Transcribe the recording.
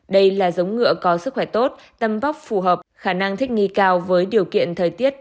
đây là giống ngựa có sức khỏe tốt tâm vóc phù hợp khả năng thích nghi cao với điều kiện thời tiết